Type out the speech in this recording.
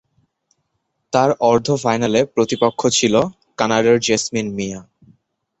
তার অর্ধ-ফাইনালে প্রতিপক্ষ ছিল কানাডার জেসমিন মিয়া।